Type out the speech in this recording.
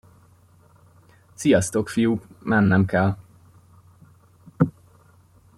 Sziasztok, fiúk, mennem kell!